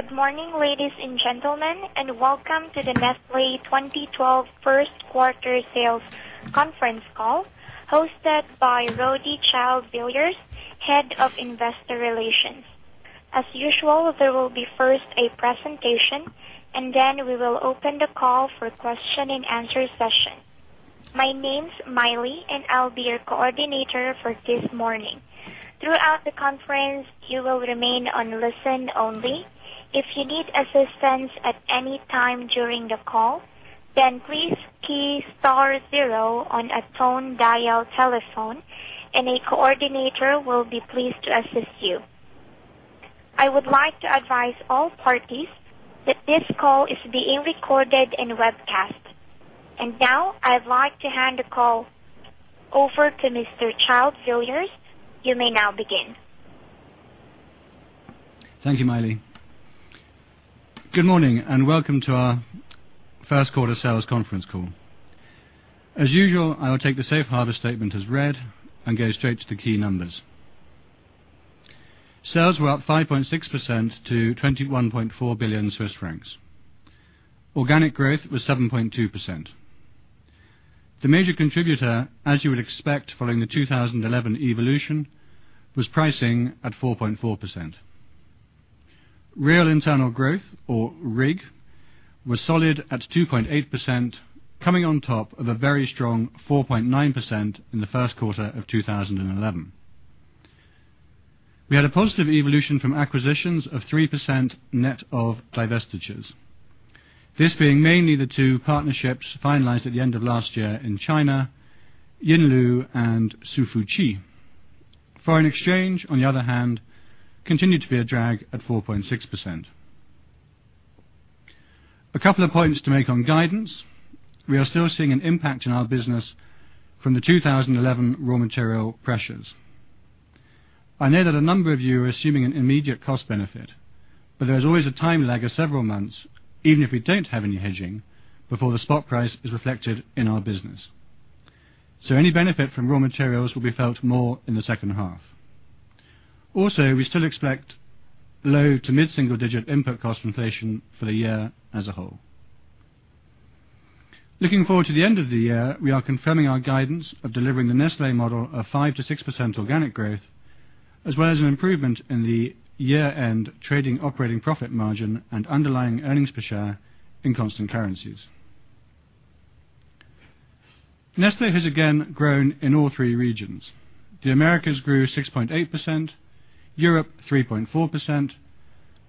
Good morning, ladies and gentlemen, and welcome to the Nestlé 2012 First Quarter Sales Conference Call hosted by Roddy Child-Villiers, Head of Investor Relations. As usual, there will be first a presentation, and then we will open the call for a question and answer session. My name's Miley, and I'll be your coordinator for this morning. Throughout the conference, you will remain on listen only. If you need assistance at any time during the call, then please key star zero on a phone dial telephone, and a coordinator will be pleased to assist you. I would like to advise all parties that this call is being recorded and webcast. Now, I'd like to hand the call over to Mr. Child-Villiers. You may now begin. Thank you, Miley. Good morning, and welcome to our First Quarter Sales Conference Call. As usual, I'll take the safe harbor statement as read and go straight to the key numbers. Sales were up 5.6% to 21.4 billion Swiss francs. Organic growth was 7.2%. The major contributor, as you would expect following the 2011 evolution, was pricing at 4.4%. Real internal growth, or RIG, was solid at 2.8%, coming on top of a very strong 4.9% in the first quarter of 2011. We had a positive evolution from acquisitions of 3% net of divestitures, this being mainly the two partnerships finalized at the end of last year in China, Yinlu and Hsu Fu Chi. Foreign exchange, on the other hand, continued to be a drag at 4.6%. A couple of points to make on guidance: we are still seeing an impact in our business from the 2011 raw material cost pressures. I know that a number of you are assuming an immediate cost benefit, but there is always a time lag of several months, even if we don't have any hedging, before the spot price is reflected in our business. Any benefit from raw materials will be felt more in the second half. We still expect low to mid-single-digit input cost inflation for the year as a whole. Looking forward to the end of the year, we are confirming our guidance of delivering the Nestlé model of 5-6% organic growth, as well as an improvement in the year-end trading operating profit margin and underlying earnings per share in constant currencies. Nestlé has again grown in all three regions. The Americas grew 6.8%, Europe 3.4%,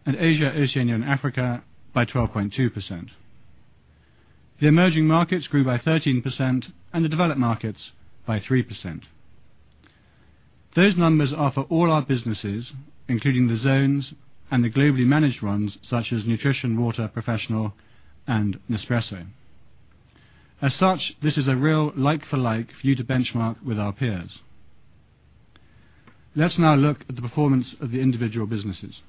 and Asia, Oceania, and Africa by 12.2%. The emerging markets grew by 13%, and the developed markets by 3%. Those numbers are for all our businesses, including the zones and the globally managed ones such as Nutrition, Water, Professional, and Nespresso. As such, this is a real like-for-like for you to benchmark with our peers. Let's now look at the performance of the individual businesses.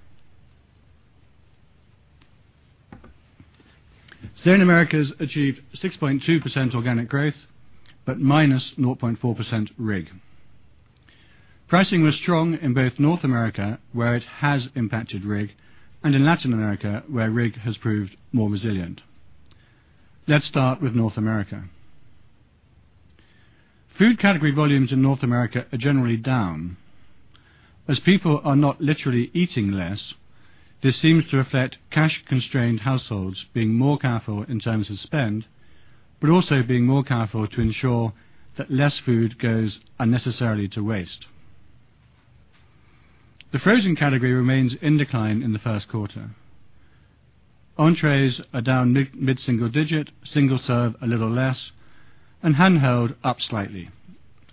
Zone Americas achieved 6.2% organic growth, but -0.4% RIG. Pricing was strong in both North America, where it has impacted RIG, and in Latin America, where RIG has proved more resilient. Let's start with North America. Food category volumes in North America are generally down. As people are not literally eating less, this seems to reflect cash-constrained households being more careful in terms of spend, but also being more careful to ensure that less food goes unnecessarily to waste. The frozen category remains in decline in the first quarter. Entrées are down mid-single digit, single serve a little less, and handheld up slightly.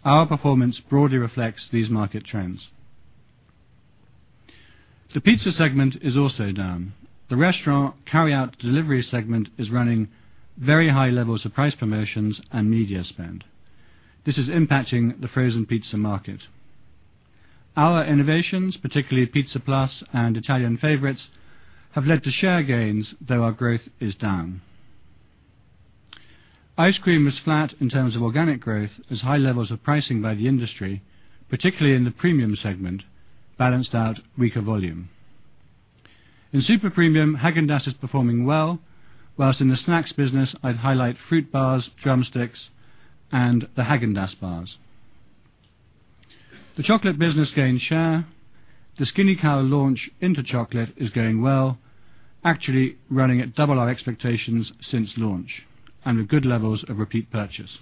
Our performance broadly reflects these market trends. The pizza segment is also down. The restaurant carryout delivery segment is running very high levels of price promotions and media spend. This is impacting the frozen pizza market. Our innovations, particularly Pizza Plus and Italian Favorites, have led to share gains, though our growth is down. Ice cream was flat in terms of organic growth, as high levels of pricing by the industry, particularly in the premium segment, balanced out weaker volume. In super premium, Häagen-Dazs is performing well, whilst in the snacks business, I'd highlight Fruit Bars, Drumsticks, and the Häagen-Dazs bars. The chocolate business gained share. The Skinny Cow launch into chocolate is going well, actually running at double our expectations since launch and with good levels of repeat purchase.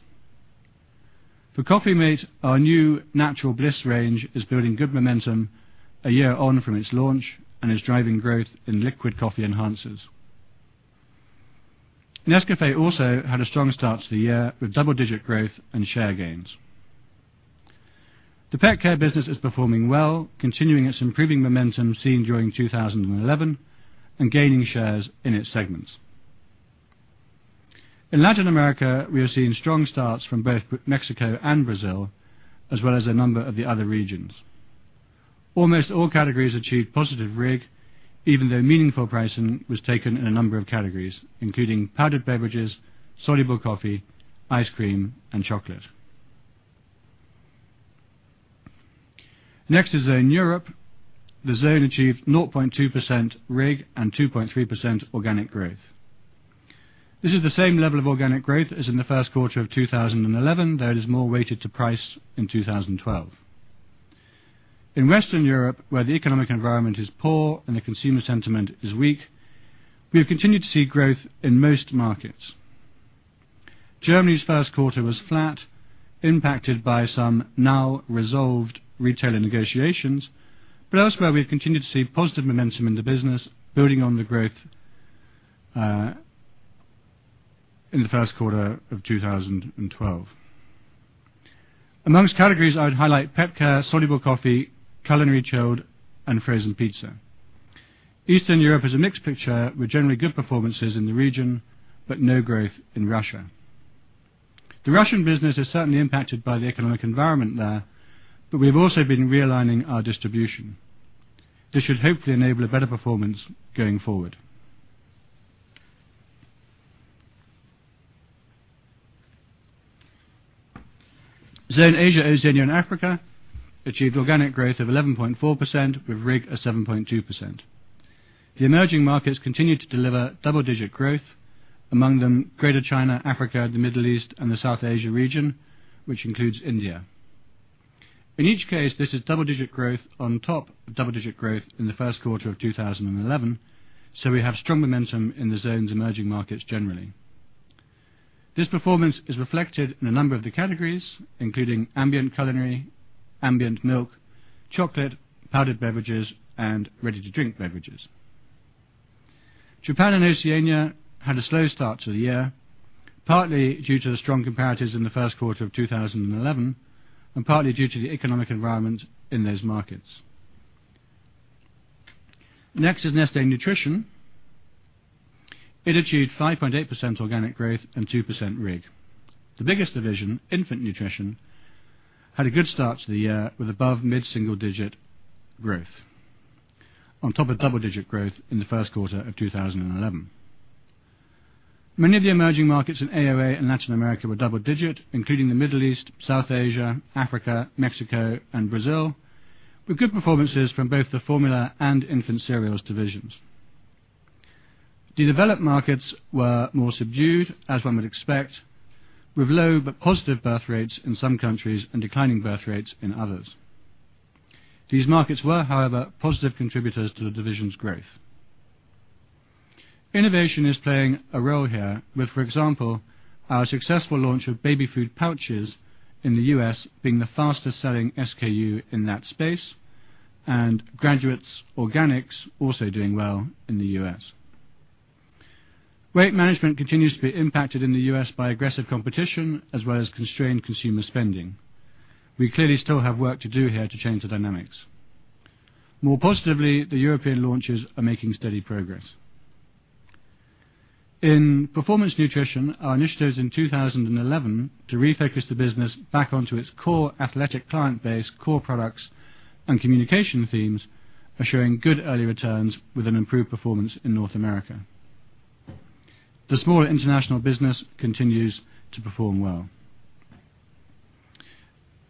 For Coffee Mate, our new Natural Bliss range is building good momentum a year on from its launch and is driving growth in liquid coffee enhancers. Nescafé also had a strong start to the year with double-digit growth and share gains. The pet care business is performing well, continuing its improving momentum seen during 2011 and gaining shares in its segments. In Latin America, we have seen strong starts from both Mexico and Brazil, as well as a number of the other regions. Almost all categories achieved positive RIG, even though meaningful pricing was taken in a number of categories, including powdered beverages, soluble coffee, ice cream, and chocolate. Next is Zone Europe. The zone achieved 0.2% RIG and 2.3% organic growth. This is the same level of organic growth as in the first quarter of 2011, though it is more weighted to price in 2012. In Western Europe, where the economic environment is poor and the consumer sentiment is weak, we have continued to see growth in most markets. Germany's first quarter was flat, impacted by some now resolved retailer negotiations, but elsewhere we have continued to see positive momentum in the business, building on the growth in the first quarter of 2012. Amongst categories, I'd highlight pet care, soluble coffee, culinary chilled, and frozen pizza. Eastern Europe is a mixed picture with generally good performances in the region, but no growth in Russia. The Russian business is certainly impacted by the economic environment there, but we have also been realigning our distribution. This should hopefully enable a better performance going forward. Zone Asia, Oceania, and Africa achieved organic growth of 11.4% with RIG of 7.2%. The emerging markets continued to deliver double-digit growth, among them Greater China, Africa, the Middle East, and the South Asia region, which includes India. In each case, this is double-digit growth on top of double-digit growth in the first quarter of 2011, so we have strong momentum in the zone's emerging markets generally. This performance is reflected in a number of the categories, including ambient culinary, ambient milk, chocolate, powdered beverages, and ready-to-drink beverages. Japan and Oceania had a slow start to the year, partly due to the strong comparators in the first quarter of 2011 and partly due to the economic environment in those markets. Next is Nestlé Nutrition. It achieved 5.8% organic growth and 2% RIG. The biggest division, Infant Nutrition, had a good start to the year with above mid-single-digit growth on top of double-digit growth in the first quarter of 2011. Many of the emerging markets in AOA and Latin America were double-digit, including the Middle East, South Asia, Africa, Mexico, and Brazil, with good performances from both the formula and infant cereals divisions. The developed markets were more subdued, as one would expect, with low but positive birth rates in some countries and declining birth rates in others. These markets were, however, positive contributors to the division's growth. Innovation is playing a role here, with, for example, our successful launch of baby food pouches in the U.S. being the fastest-selling SKU in that space, and graduates organics also doing well in the U.S. Rate management continues to be impacted in the U.S. by aggressive competition, as well as constrained consumer spending. We clearly still have work to do here to change the dynamics. More positively, the European launches are making steady progress. In performance nutrition, our initiatives in 2011 to refocus the business back onto its core athletic client base, core products, and communication themes, assuring good early returns with an improved performance in North America. The smaller international business continues to perform well.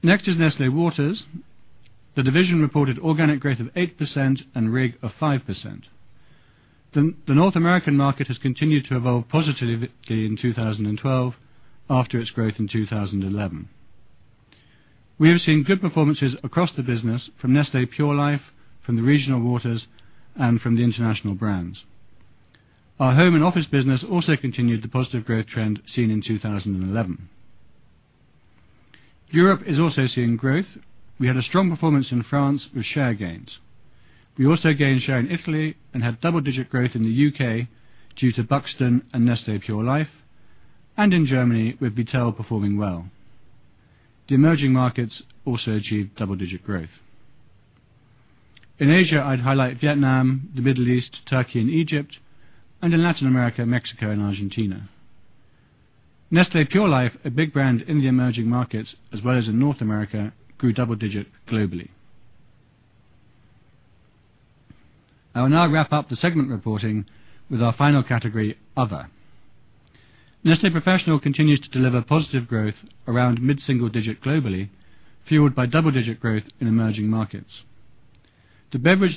Next is Nestlé Waters. The division reported organic growth of 8% and RIG of 5%. The North American market has continued to evolve positively in 2012 after its growth in 2011. We have seen good performances across the business from Nestlé Pure Life, from the regional waters, and from the international brands. Our home and office business also continued the positive growth trend seen in 2011. Europe is also seeing growth. We had a strong performance in France with share gains. We also gained share in Italy and had double-digit growth in the UK due to Buxton and Nestlé Pure Life, and in Germany with Vittel performing well. The emerging markets also achieved double-digit growth. In Asia, I'd highlight Vietnam, the Middle East, Turkey, and Egypt, and in Latin America, Mexico and Argentina. Nestlé Pure Life, a big brand in the emerging markets, as well as in North America, grew double-digit globally. I will now wrap up the segment reporting with our final category, Other. Nestlé Professional continues to deliver positive growth around mid-single digit globally, fueled by double-digit growth in emerging markets. The beverage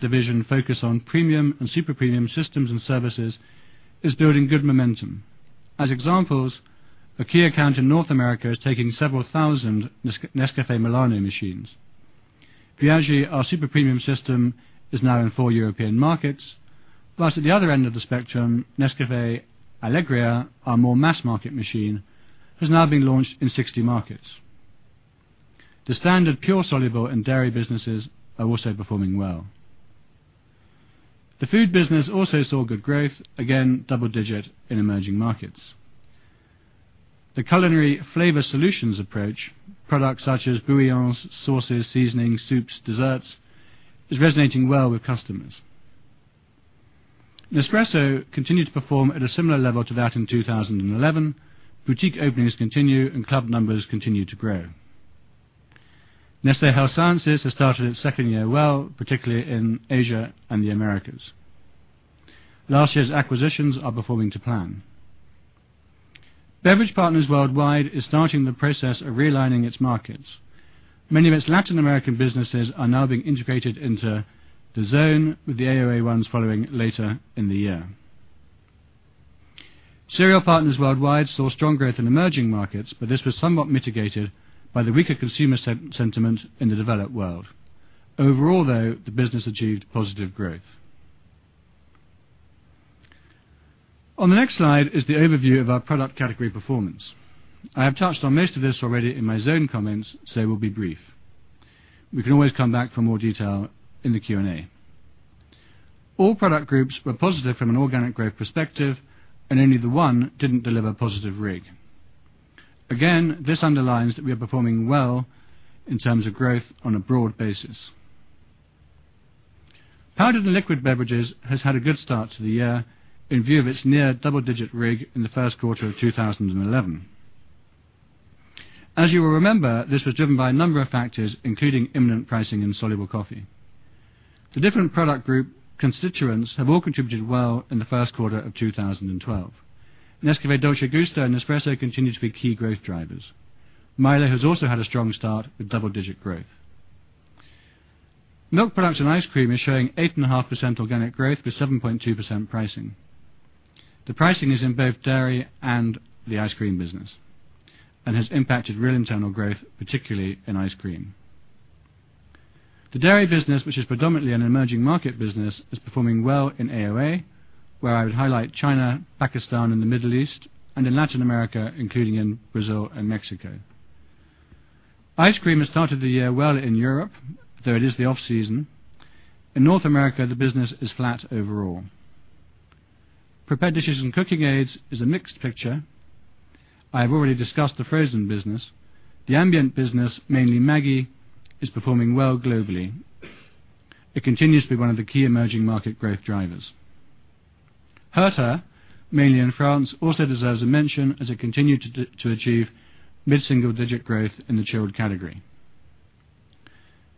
division focused on premium and super premium systems and services is building good momentum. As examples, a key account in North America is taking several thousand Nescafé Milano machines. Viaggi, our super premium system, is now in four European markets, whilst at the other end of the spectrum, Nescafé Alegria, our more mass-market machine, has now been launched in 60 markets. The standard pure, soluble, and dairy businesses are also performing well. The food business also saw good growth, again double-digit in emerging markets. The culinary flavor solutions approach, products such as bouillons, sauces, seasonings, soups, desserts, is resonating well with customers. Nespresso continued to perform at a similar level to that in 2011. Boutique openings continue, and club numbers continue to grow. Nestlé Health Sciences has started its second year well, particularly in Asia and the Americas. Last year's acquisitions are performing to plan. Beverage Partners Worldwide is starting the process of realigning its markets. Many of its Latin American businesses are now being integrated into the zone, with the AOA ones following later in the year. Cereal Partners Worldwide saw strong growth in emerging markets, but this was somewhat mitigated by the weaker consumer sentiment in the developed world. Overall, though, the business achieved positive growth. On the next slide is the overview of our product category performance. I have touched on most of this already in my zone comments, so it will be brief. We can always come back for more detail in the Q&A. All product groups were positive from an organic growth perspective, and only the one didn't deliver positive RIG. Again, this underlines that we are performing well in terms of growth on a broad basis. Powdered and liquid beverages have had a good start to the year in view of its near double-digit RIG in the first quarter of 2011. As you will remember, this was driven by a number of factors, including imminent pricing in soluble coffee. The different product group constituents have all contributed well in the first quarter of 2012. Nescafé Dolce Gusto and Nespresso continue to be key growth drivers. Miele has also had a strong start with double-digit growth. Milk Products and Ice Cream is showing 8.5% organic growth with 7.2% pricing. The pricing is in both dairy and the ice cream business, and has impacted real internal growth, particularly in ice cream. The dairy business, which is predominantly an emerging market business, is performing well in AOA, where I would highlight China, Pakistan, and the Middle East, and in Latin America, including in Brazil and Mexico. Ice cream has started the year well in Europe, though it is the off-season. In North America, the business is flat overall. Prepared dishes and cooking aids is a mixed picture. I have already discussed the frozen business. The ambient business, mainly Maggi, is performing well globally. It continues to be one of the key emerging market growth drivers. Hertha, mainly in France, also deserves a mention as it continued to achieve mid-single-digit growth in the chilled category.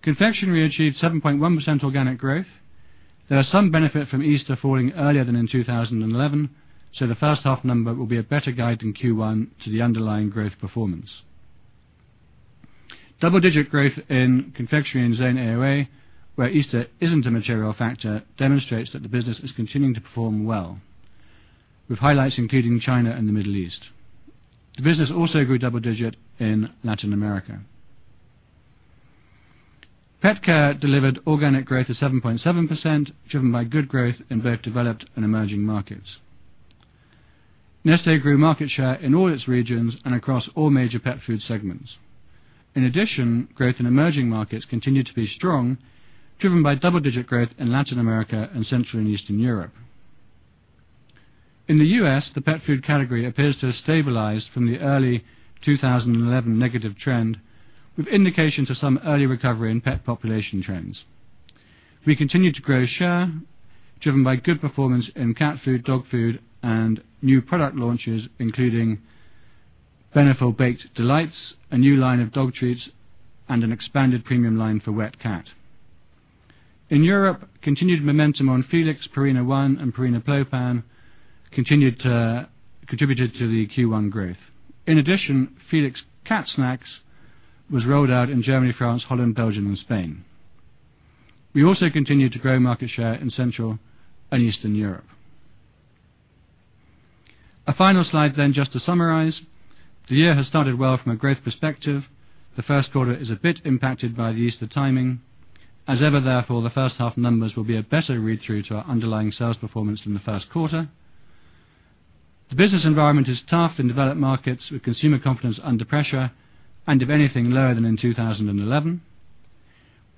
Confectionery achieved 7.1% organic growth. There is some benefit from Easter falling earlier than in 2011, so the first half number will be a better guide than Q1 to the underlying growth performance. Double-digit growth in confectionery in zone AOA, where Easter isn't a material factor, demonstrates that the business is continuing to perform well, with highlights including China and the Middle East. The business also grew double-digit in Latin America. Pet care delivered organic growth of 7.7%, driven by good growth in both developed and emerging markets. Nestlé grew market share in all its regions and across all major pet food segments. In addition, growth in emerging markets continued to be strong, driven by double-digit growth in Latin America and Central and Eastern Europe. In the U.S., the pet food category appears to have stabilized from the early 2011 negative trend, with indications of some early recovery in pet population trends. We continue to grow share, driven by good performance in cat food, dog food, and new product launches, including Beneful Baked Delights, a new line of dog treats, and an expanded premium line for Wet Cat. In Europe, continued momentum on Felix, Purina ONE, and Purina Pro Plan contributed to the Q1 2012 growth. In addition, Felix Cat Snacks was rolled out in Germany, France, Holland, Belgium, and Spain. We also continued to grow market share in Central and Eastern Europe. A final slide then, just to summarize. The year has started well from a growth perspective. The first quarter is a bit impacted by the Easter timing. As ever, therefore, the first half numbers will be a better read-through to our underlying sales performance than the first quarter. The business environment is tough in developed markets, with consumer confidence under pressure and, if anything, lower than in 2011.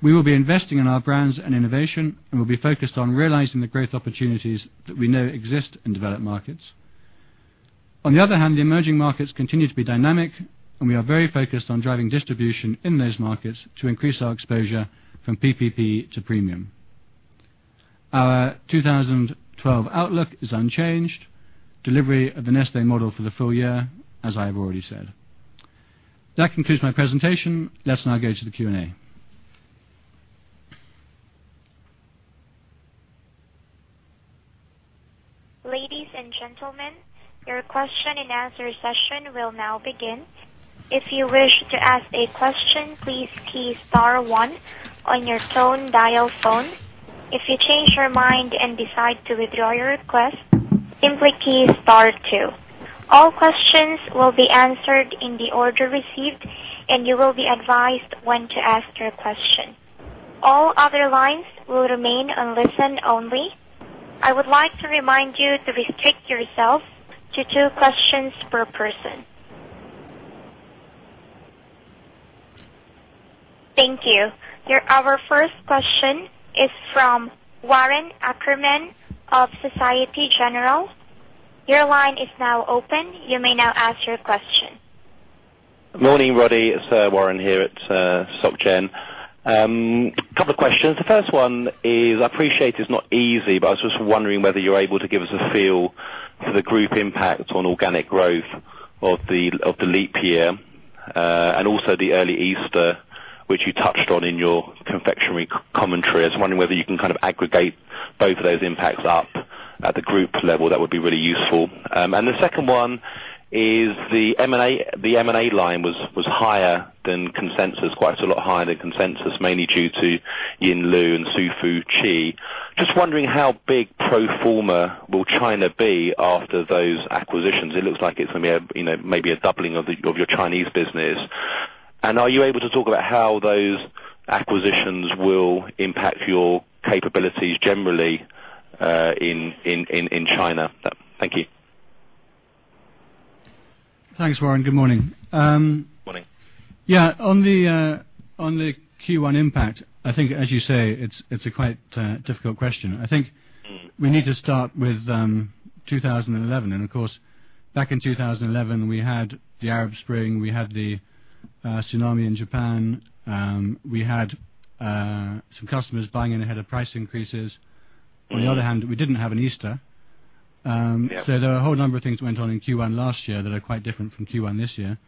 We will be investing in our brands and innovation, and we'll be focused on realizing the growth opportunities that we know exist in developed markets. On the other hand, the emerging markets continue to be dynamic, and we are very focused on driving distribution in those markets to increase our exposure from PPP to premium. Our 2012 outlook is unchanged. Delivery of the Nestlé model for the full year, as I have already said. That concludes my presentation. Let's now go to the Q&A. Ladies and gentlemen, your question and answer session will now begin. If you wish to ask a question, please key star one on your tone dial phone. If you change your mind and decide to withdraw your request, simply key star two. All questions will be answered in the order received, and you will be advised when to ask your question. All other lines will remain on listen only. I would like to remind you to restrict yourself to two questions per person. Thank you. Our first question is from Warren Ackerman of Société Générale. Your line is now open. You may now ask your question. Morning, Roddy. It's Warren here at Société Générale. A couple of questions. The first one is, I appreciate it's not easy, but I was just wondering whether you're able to give us a feel of the group impact on organic growth of the leap year, and also the early Easter, which you touched on in your confectionery commentary. I was wondering whether you can kind of aggregate both of those impacts up at the group level. That would be really useful. The second one is, the M&A line was higher than consensus, quite a lot higher than consensus, mainly due to Yinlu and Hsu Fu Chi. Just wondering how big Proforma will kind of be after those acquisitions. It looks like it's going to be maybe a doubling of your Chinese business. Are you able to talk about how those acquisitions will impact your capabilities generally in China? Thank you. Thanks, Warren. Good morning. Morning. Yeah, on the Q1 impact, I think, as you say, it's a quite difficult question. I think we need to start with 2011. Of course, back in 2011, we had the Arab Spring, we had the tsunami in Japan, we had some customers buying in ahead of price increases. On the other hand, we didn't have an Easter. There were a whole number of things that went on in Q1 last year that are quite different from Q1 this year.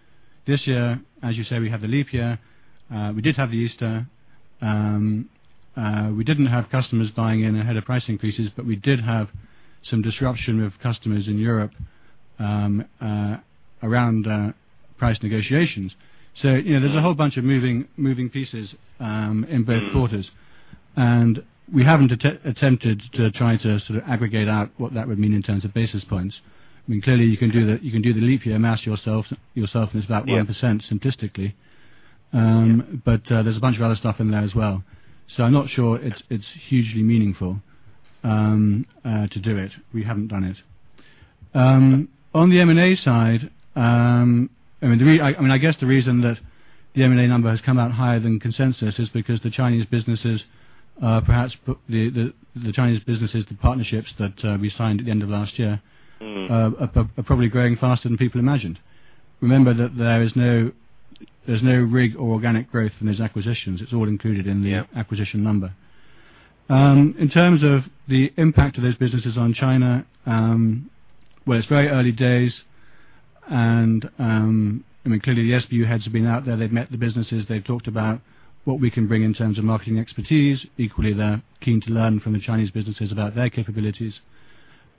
This year, as you say, we had the leap year. We did have the Easter. We didn't have customers buying in ahead of price increases, but we did have some disruption with customers in Europe around price negotiations. There's a whole bunch of moving pieces in both quarters. We haven't attempted to try to sort of aggregate out what that would mean in terms of basis points. I mean, clearly, you can do the leap year amount yourself, and it's about 1% statistically. There's a bunch of other stuff in there as well. I'm not sure it's hugely meaningful to do it. We haven't done it. On the M&A side, I guess the reason that the M&A number has come out higher than consensus is because the Chinese businesses, perhaps the Chinese businesses, the partnerships that we signed at the end of last year, are probably growing faster than people imagined. Remember that there is no RIG or organic growth in those acquisitions. It's all included in the acquisition number. In terms of the impact of those businesses on China, it's very early days. Clearly, the SBU heads have been out there. They've met the businesses. They've talked about what we can bring in terms of marketing expertise. Equally, they're keen to learn from the Chinese businesses about their capabilities.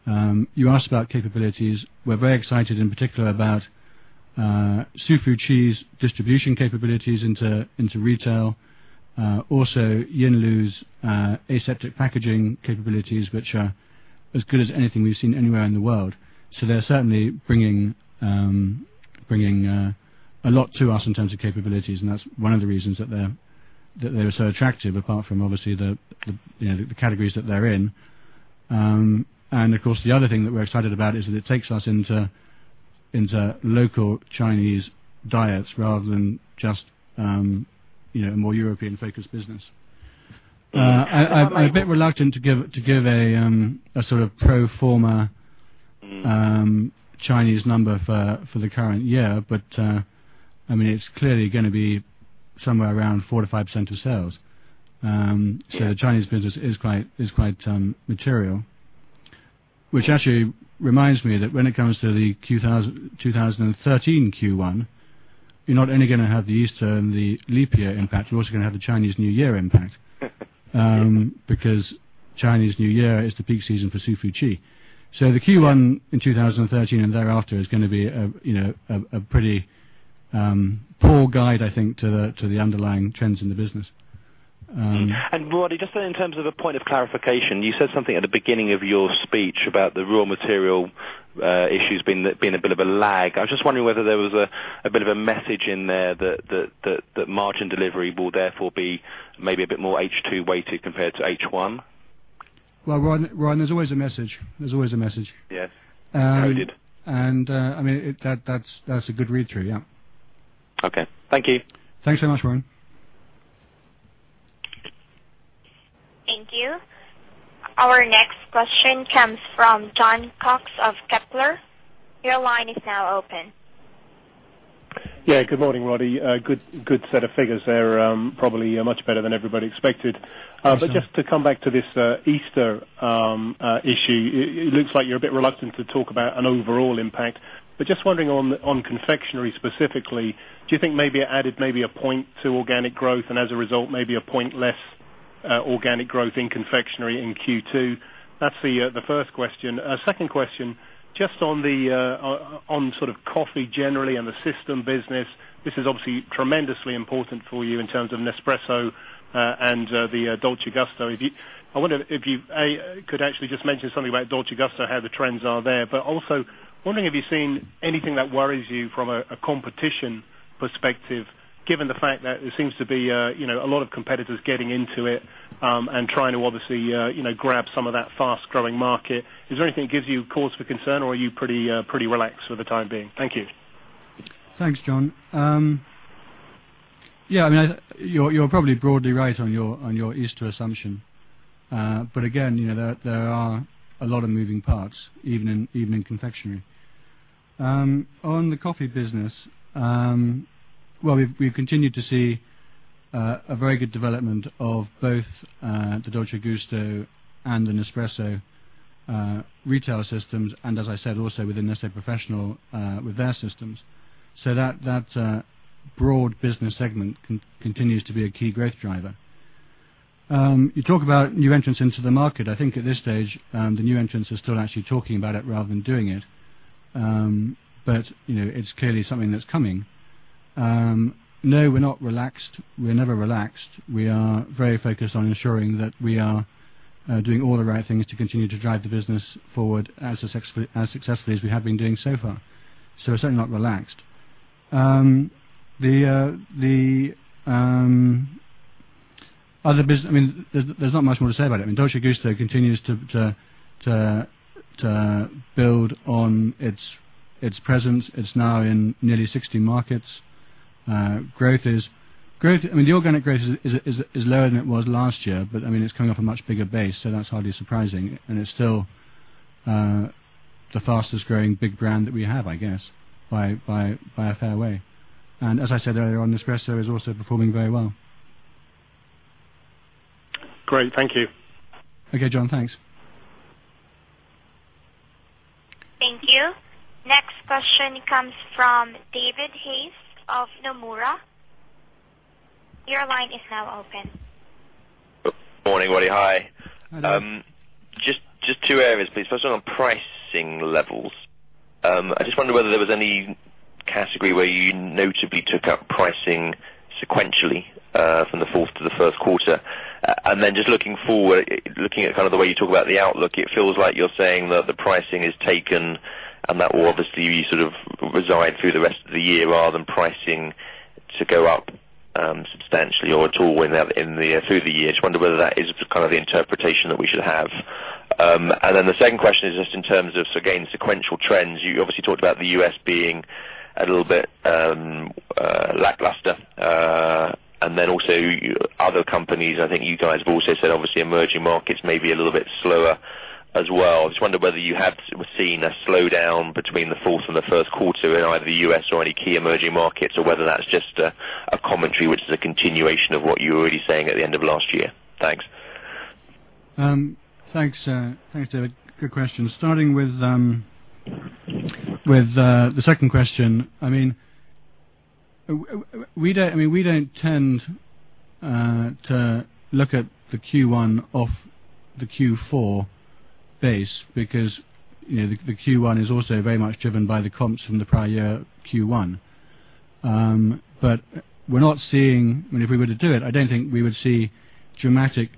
You asked about capabilities. We're very excited, in particular, about Hsu Fu Chi's distribution capabilities into retail. Also, Yinlu's aseptic packaging capabilities, which are as good as anything we've seen anywhere in the world. They're certainly bringing a lot to us in terms of capabilities. That's one of the reasons that they're so attractive, apart from, obviously, the categories that they're in. The other thing that we're excited about is that it takes us into local Chinese diets rather than just a more European-focused business. I'm a bit reluctant to give a sort of pro forma Chinese number for the current year, but it's clearly going to be somewhere around 4%-5% of sales. The Chinese business is quite material, which actually reminds me that when it comes to the 2013 Q1, you're not only going to have the Easter and the leap year impact, you're also going to have the Chinese New Year impact because Chinese New Year is the peak season for Hsu Fu Chi. The Q1 in 2013 and thereafter is going to be a pretty poor guide, I think, to the underlying trends in the business. Roddy, just in terms of a point of clarification, you said something at the beginning of your speech about the raw material issues being a bit of a lag. I was just wondering whether there was a bit of a message in there that margin delivery will therefore be maybe a bit more H2 weighted compared to H1. Roddy, there's always a message. There's always a message. Yes, noted. That's a good read-through. Yeah. Okay, thank you. Thanks very much, Warren. Thank you. Our next question comes from Jon Cox of Kepler. Your line is now open. Yeah, good morning, Roddy. Good set of figures there, probably much better than everybody expected. Just to come back to this Easter issue, it looks like you're a bit reluctant to talk about an overall impact. Just wondering on confectionery specifically, do you think maybe it added maybe a point to organic growth and as a result, maybe a point less organic growth in confectionery in Q2? That's the first question. A second question, just on the sort of coffee generally and the system business. This is obviously tremendously important for you in terms of Nespresso and the Dolce Gusto. I wonder if you could actually just mention something about Dolce Gusto and how the trends are there. Also, wondering if you've seen anything that worries you from a competition perspective, given the fact that there seems to be a lot of competitors getting into it and trying to obviously grab some of that fast-growing market. Is there anything that gives you cause for concern, or are you pretty relaxed for the time being? Thank you. Thanks, Jon. Yeah, I mean, you're probably broadly right on your Easter assumption. There are a lot of moving parts, even in confectionery. On the coffee business, we've continued to see a very good development of both the Nescafé Dolce Gusto and the Nespresso retail systems, and as I said, also within Nestlé Professional with their systems. That broad business segment continues to be a key growth driver. You talk about new entrants into the market. I think at this stage, the new entrants are still actually talking about it rather than doing it. It's clearly something that's coming. No, we're not relaxed. We're never relaxed. We are very focused on ensuring that we are doing all the right things to continue to drive the business forward as successfully as we have been doing so far. We're certainly not relaxed. There's not much more to say about it. Nescafé Dolce Gusto continues to build on its presence. It's now in nearly 60 markets. The organic growth is lower than it was last year, but it's coming off a much bigger base, so that's hardly surprising. It's still the fastest-growing big brand that we have, I guess, by a fair way. As I said earlier on, Nespresso is also performing very well. Great. Thank you. Okay, Jon. Thanks. Thank you. Next question comes from David Hayes of Nomura. Your line is now open. Morning, Roddy. Hi. Morning. Just two areas, please. First one on pricing levels. I just wonder whether there was any category where you notably took up pricing sequentially from the fourth to the first quarter. Then just looking forward, looking at kind of the way you talk about the outlook, it feels like you're saying that the pricing is taken and that will obviously sort of reside through the rest of the year rather than pricing to go up substantially or at all through the year. I just wonder whether that is kind of the interpretation that we should have. The second question is just in terms of, again, sequential trends. You obviously talked about the U.S. being a little bit lackluster. Also, other companies, and I think you guys have also said, obviously, emerging markets may be a little bit slower as well. I just wonder whether you have seen a slowdown between the fourth and the first quarter in either the U.S. or any key emerging markets, or whether that's just a commentary which is a continuation of what you were already saying at the end of last year. Thanks. Thanks, David. Good question. Starting with the second question, we don't tend to look at the Q1 off the Q4 base because the Q1 is also very much driven by the comps from the prior year Q1. We're not seeing, if we were to do it, I don't think we would see dramatic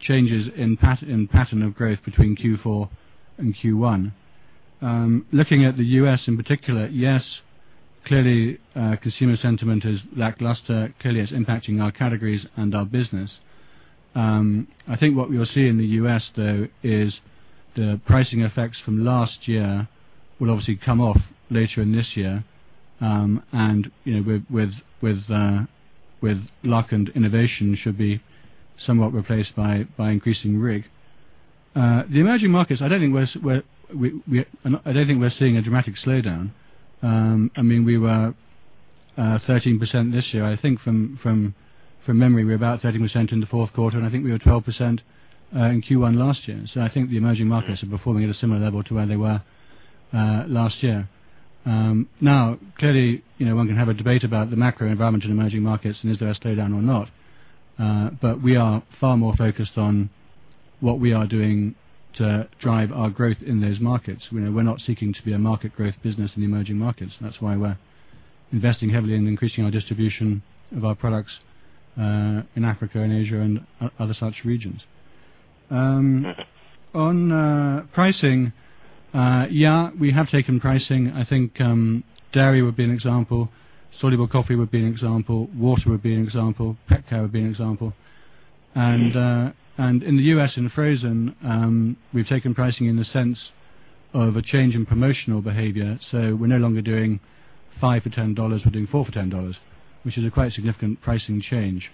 changes in pattern of growth between Q4 and Q1. Looking at the U.S. in particular, yes, clearly, consumer sentiment is lackluster. Clearly, it's impacting our categories and our business. I think what we will see in the U.S., though, is the pricing effects from last year will obviously come off later in this year. With luck and innovation, it should be somewhat replaced by increasing RIG. The emerging markets, I don't think we're seeing a dramatic slowdown. We were 13% this year. I think from memory, we were about 13% in the fourth quarter, and I think we were 12% in Q1 last year. I think the emerging markets are performing at a similar level to where they were last year. Now, one can have a debate about the macro environment in emerging markets and is there a slowdown or not. We are far more focused on what we are doing to drive our growth in those markets. We're not seeking to be a market growth business in the emerging markets. That's why we're investing heavily in increasing our distribution of our products in Africa and Asia and other such regions. On pricing, we have taken pricing. I think dairy would be an example. Soluble coffee would be an example. Water would be an example. Pet care would be an example. In the U.S., in frozen, we've taken pricing in the sense of a change in promotional behavior. We're no longer doing five for $10. We're doing four for $10, which is a quite significant pricing change,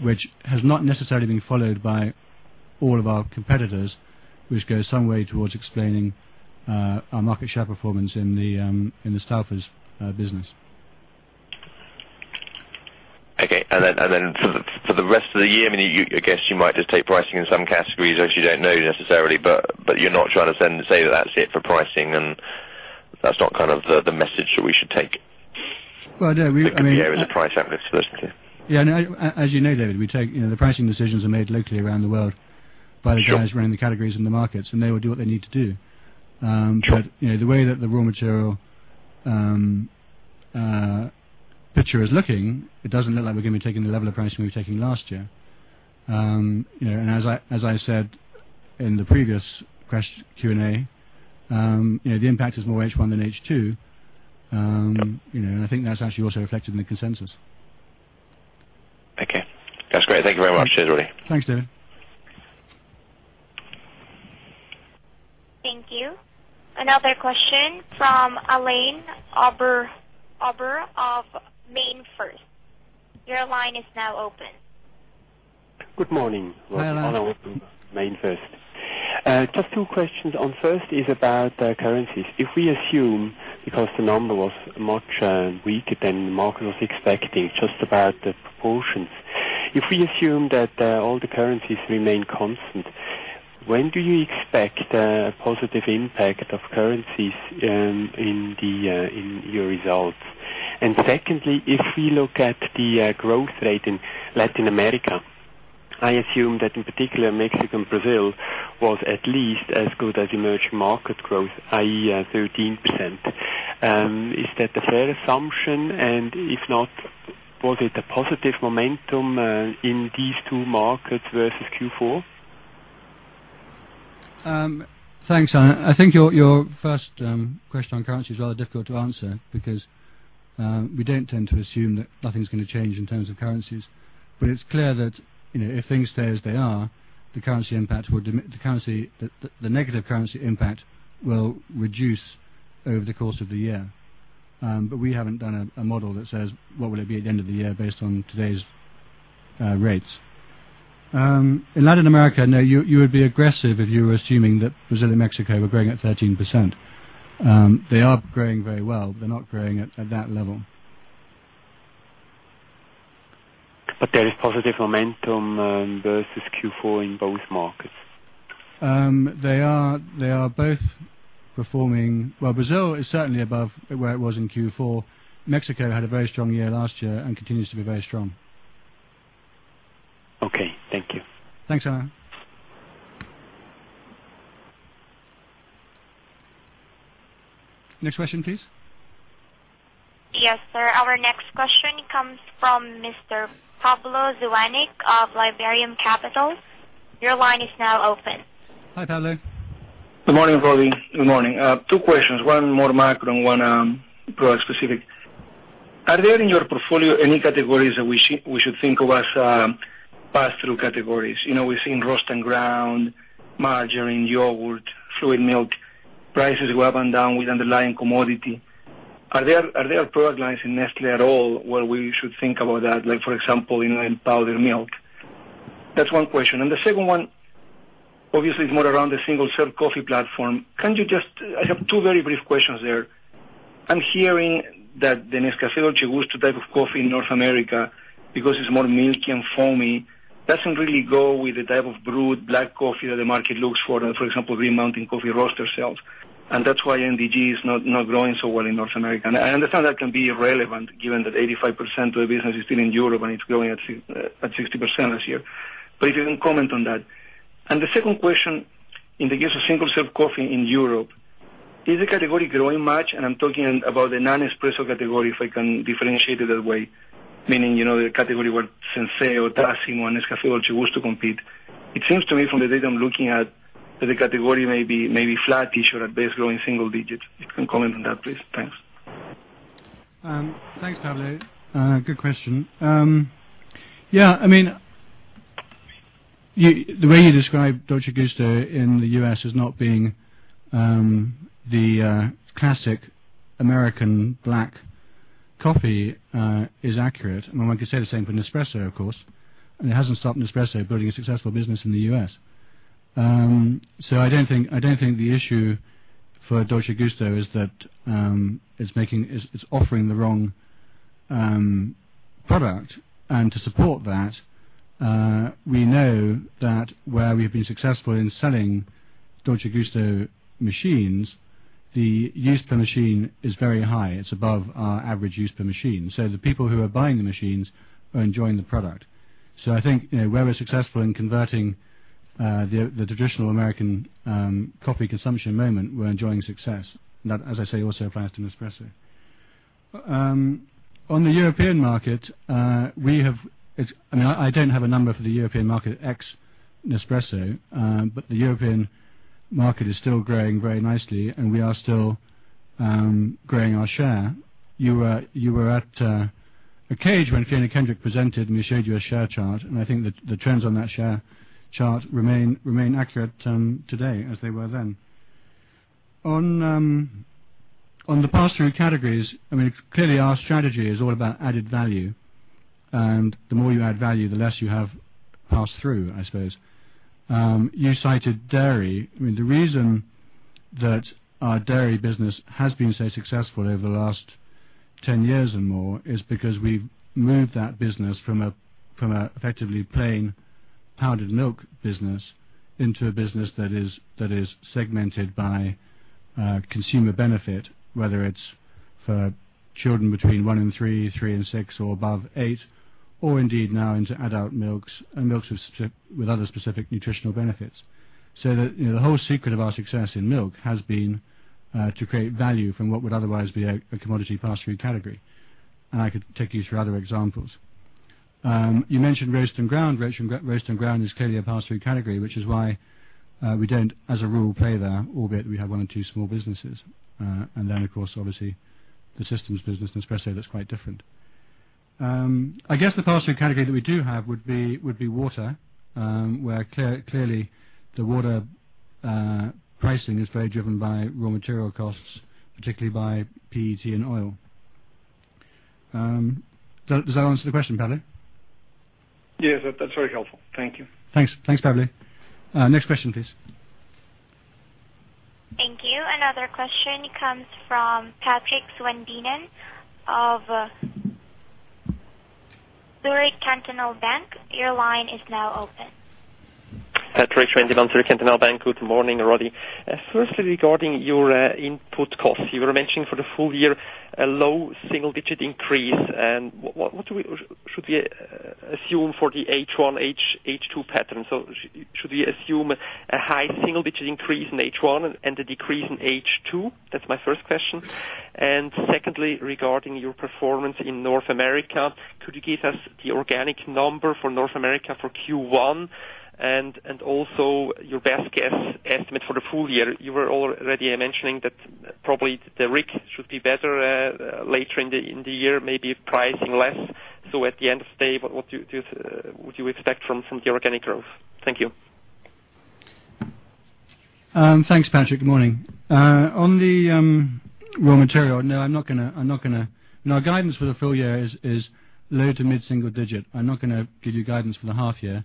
which has not necessarily been followed by all of our competitors, which goes some way towards explaining our market share performance in the Stouffer's business. Okay. For the rest of the year, I mean, I guess you might just take pricing in some categories if you don't know necessarily, but you're not trying to then say that that's it for pricing. That's not kind of the message that we should take. Well, no. I mean, we take care of the price outlets, supposedly. Yeah. As you know, David, the pricing decisions are made locally around the world by the guys running the categories and the markets, and they will do what they need to do. The way that the raw material picture is looking, it doesn't look like we're going to be taking the level of pricing we were taking last year. As I said in the previous question Q&A, the impact is more H1 than H2. I think that's actually also reflected in the consensus. Okay. That's great. Thank you very much, Roddy. Thanks, David. Thank you. Another question from Alain Oberhuber of MainFirst. Your line is now open. Good morning. Morning, Alain. Alain Oberhuber from MainFirst. Just two questions. First is about the currencies. If we assume, because the number was much weaker than the market was expecting, it's just about the proportions. If we assume that all the currencies remain constant, when do you expect a positive impact of currencies in your results? Secondly, if we look at the growth rate in Latin America, I assume that in particular Mexico and Brazil was at least as good as emerging market growth, i.e., 13%. Is that a fair assumption? If not, was it a positive momentum in these two markets versus Q4? Thanks, Alain. I think your first question on currency is rather difficult to answer because we don't tend to assume that nothing's going to change in terms of currencies. It's clear that if things stay as they are, the negative currency impact will reduce over the course of the year. We haven't done a model that says, what will it be at the end of the year based on today's rates? In Latin America, no, you would be aggressive if you were assuming that Brazil and Mexico were growing at 13%. They are growing very well, but they're not growing at that level. There is positive momentum versus Q4 in both markets. They are both performing well. Brazil is certainly above where it was in Q4. Mexico had a very strong year last year and continues to be very strong. Okay, thank you. Thanks, Alain. Next question, please. Yes, sir. Our next question comes from Mr. Pablo Zuanic of Liberum Capital. Your line is now open. Hi, Pablo. Good morning, Roddy. Good morning. Two questions, one more macro and one specific. Are there in your portfolio any categories that we should think of as pass-through categories? You know, we're seeing rust and ground, margarine, yogurt, fluid milk. Prices go up and down with underlying commodity. Are there product lines in Nestlé at all where we should think about that, like for example, in powdered milk? That's one question. The second one, obviously, is more around the single-serve coffee platform. Can you just, I have two very brief questions there. I'm hearing that the Nescafé Dolce Gusto type of coffee in North America, because it's more milky and foamy, doesn't really go with the type of brewed black coffee that the market looks for, for example, Green Mountain Coffee Roaster sales. That's why NDG is not growing so well in North America. I understand that can be irrelevant given that 85% of the business is still in Europe and it's growing at 60% this year. If you can comment on that. The second question, in the case of single-serve coffee in Europe, is the category growing much? I'm talking about the non-Espresso category, if I can differentiate it that way, meaning the category where Senseo, Tassimo, and Nescafé Dolce Gusto compete. It seems to me, from the data I'm looking at, that the category may be flattish or at best growing single digits. If you can comment on that, please. Thanks. Thanks, Pablo. Good question. Yeah, I mean, the way you describe Dolce Gusto in the U.S. as not being the classic American black coffee is accurate. We can say the same for Nespresso, of course. It hasn't stopped Nespresso building a successful business in the U.S. I don't think the issue for Dolce Gusto is that it's offering the wrong product. To support that, we know that where we have been successful in selling Dolce Gusto machines, the use per machine is very high. It's above our average use per machine. The people who are buying the machines are enjoying the product. I think where we're successful in converting the traditional American coffee consumption moment, we're enjoying success. That, as I say, also applies to Nespresso. On the European market, I don't have a number for the European market ex-Nespresso, but the European market is still growing very nicely, and we are still growing our share. You were at a cage when Fiona Kendrick presented, and we showed you a share chart. I think that the trends on that share chart remain accurate today as they were then. On the pass-through categories, clearly, our strategy is all about added value. The more you add value, the less you have pass-through, I suppose. You cited dairy. The reason that our dairy business has been so successful over the last 10 years and more is because we've moved that business from an effectively plain powdered milk business into a business that is segmented by consumer benefit, whether it's for children between one and three, three and six, or above eight, or indeed now into adult milks and milks with other specific nutritional benefits. The whole secret of our success in milk has been to create value from what would otherwise be a commodity pass-through category. I could take you through other examples. You mentioned roast and ground. Roast and ground is clearly a pass-through category, which is why we don't, as a rule, play there, albeit we have one or two small businesses. Of course, obviously, the systems business Nespresso, that's quite different. I guess the pass-through category that we do have would be water, where clearly the water pricing is very driven by raw material costs, particularly by PET and oil. Does that answer the question, Pablo? Yes, that's very helpful. Thank you. Thanks. Thanks, Pablo. Next question, please. Thank you. Another question comes from Patrick Schwendimann of Züercher Kantonalbank. Your line is now open. Patrick Schwendimann, Züercher Kantonalbank. Good morning, Roddy. Firstly, regarding your input costs, you were mentioning for the full year a low single-digit increase. What should we assume for the H1, H2 pattern? Should we assume a high single-digit increase in H1 and a decrease in H2? That's my first question. Secondly, regarding your performance in North America, could you give us the organic number for North America for Q1? Also, your best guess estimate for the full year. You were already mentioning that probably the RIG should be better later in the year, maybe pricing less. At the end of the day, what would you expect from the organic growth? Thank you. Thanks, Patrick. Good morning. On the raw material, no, I'm not going to, no, guidance for the full year is low to mid-single digit. I'm not going to give you guidance for the half year.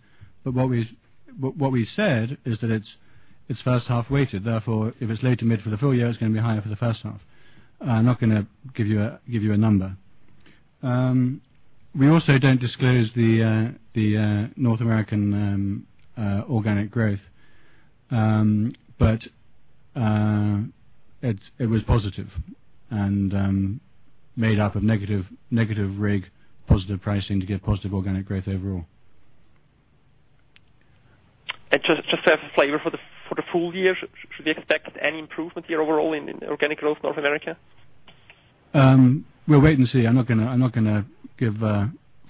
What we said is that it's first half weighted. Therefore, if it's low to mid for the full year, it's going to be higher for the first half. I'm not going to give you a number. We also don't disclose the North American organic growth, but it was positive and made up of negative RIG, positive pricing to give positive organic growth overall. To have a flavor for the full year, should we expect any improvement here overall in organic growth in North America? We'll wait and see. I'm not going to give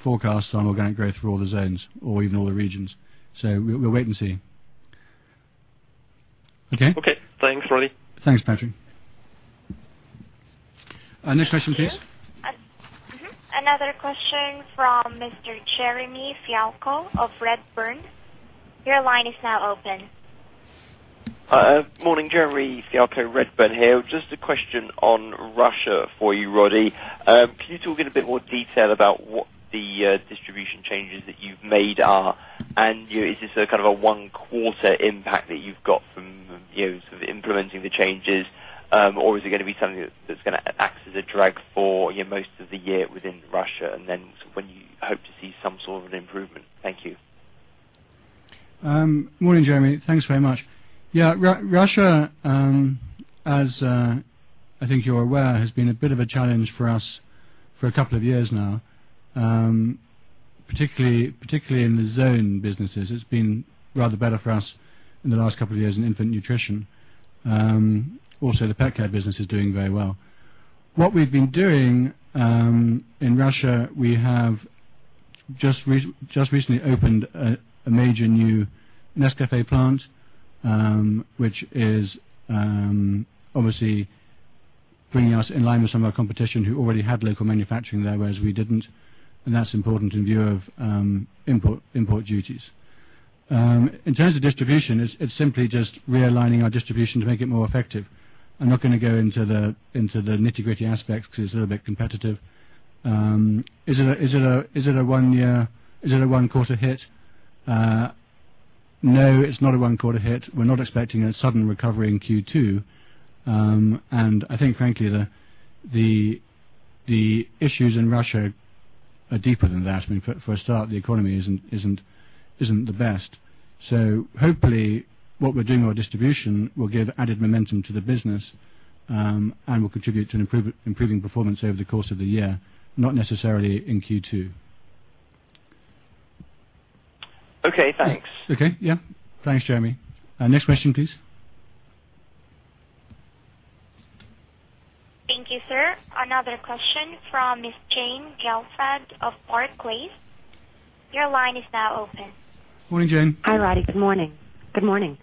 forecasts on organic growth for all the zones or even all the regions. We'll wait and see. Okay? Okay. Thanks, Roddy. Thanks, Patrick. Next question, please. Another question from Mr. Jeremy Fialko of Redburn. Your line is now open. Morning, Jeremy Fialko, Redburn here. Just a question on Russia for you, Roddy. Can you talk in a bit more detail about what the distribution changes that you've made are? Is this a kind of a one-quarter impact that you've got from implementing the changes, or is it going to be something that's going to act as a drag for most of the year within Russia? When do you hope to see some sort of an improvement? Thank you. Morning, Jeremy. Thanks very much. Yeah, Russia, as I think you're aware, has been a bit of a challenge for us for a couple of years now, particularly in the zone businesses. It's been rather better for us in the last couple of years in infant nutrition. Also, the pet care business is doing very well. What we've been doing in Russia, we have just recently opened a major new Nescafé plant, which is obviously bringing us in line with some of our competition who already had local manufacturing there, whereas we didn't. That's important in view of import duties. In terms of distribution, it's simply just realigning our distribution to make it more effective. I'm not going to go into the nitty-gritty aspects because it's a little bit competitive. Is it a one-quarter hit? No, it's not a one-quarter hit. We're not expecting a sudden recovery in Q2. I think, frankly, the issues in Russia are deeper than that. I mean, for a start, the economy isn't the best. Hopefully, what we're doing with our distribution will give added momentum to the business and will contribute to an improving performance over the course of the year, not necessarily in Q2. Okay, thanks. Okay. Yeah, thanks, Jeremy. Next question, please. Thank you, sir. Another question from Ms. Jane Gelfand of Barclays. Your line is now open. Morning, Jane. Hi, Roddy. Good morning. Good morning.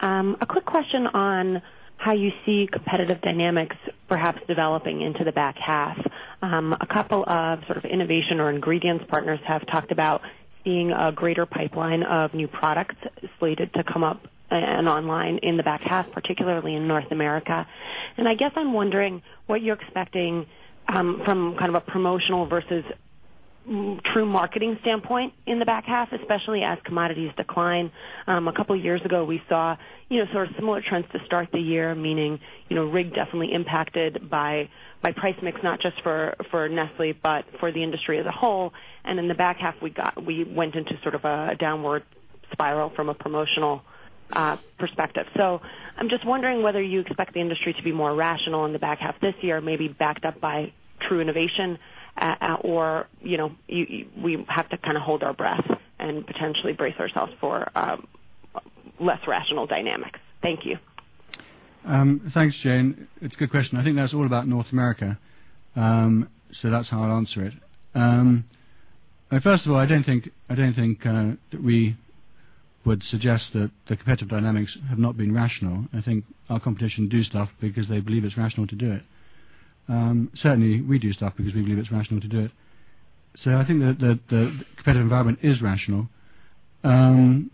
A quick question on how you see competitive dynamics perhaps developing into the back half. A couple of sort of innovation or ingredients partners have talked about seeing a greater pipeline of new products slated to come up and online in the back half, particularly in North America. I guess I'm wondering what you're expecting from kind of a promotional versus fruit marketing standpoint in the back half, especially as commodities decline. A couple of years ago, we saw sort of similar trends to start the year, meaning RIG definitely impacted by price mix, not just for Nestlé, but for the industry as a whole. In the back half, we went into sort of a downward spiral from a promotional perspective. I'm just wondering whether you expect the industry to be more rational in the back half this year, maybe backed up by true innovation, or you know we have to kind of hold our breath and potentially brace ourselves for less rational dynamics. Thank you. Thanks, Jane. It's a good question. I think that's all about North America. That's how I'll answer it. First of all, I don't think that we would suggest that the competitive dynamics have not been rational. I think our competition do stuff because they believe it's rational to do it. Certainly, we do stuff because we believe it's rational to do it. I think that the competitive environment is rational. Now,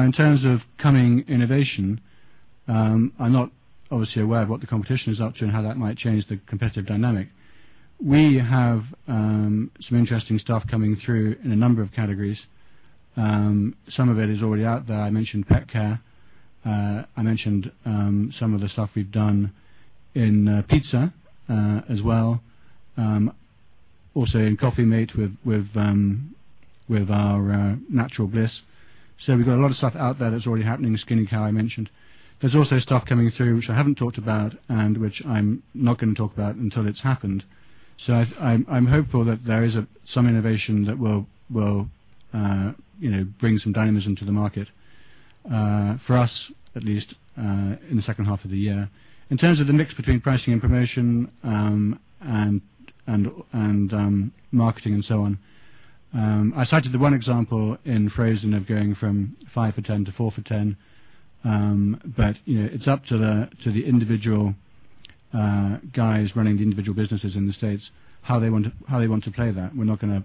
in terms of coming innovation, I'm not obviously aware of what the competition is up to and how that might change the competitive dynamic. We have some interesting stuff coming through in a number of categories. Some of it is already out there. I mentioned pet care. I mentioned some of the stuff we've done in pizza as well. Also, in Coffee Mate with our natural bliss. We've got a lot of stuff out there that's already happening. Skinny Cow I mentioned. There's also stuff coming through, which I haven't talked about and which I'm not going to talk about until it's happened. I'm hopeful that there is some innovation that will bring some dynamism to the market for us, at least in the second half of the year. In terms of the mix between pricing and promotion and marketing and so on, I cited the one example in frozen of going from five for $10 to four for $10. It's up to the individual guys running the individual businesses in the States how they want to play that. We're not going